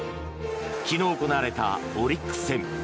昨日行われたオリックス戦。